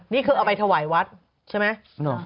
นี่คือเอาไปถวายวัดใช่ไหม